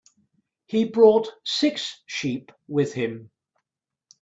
He brought six sheep with him.